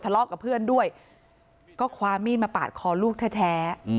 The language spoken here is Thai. ทะเลาะกับเพื่อนด้วยก็คว้ามีดมาปาดคอลูกแท้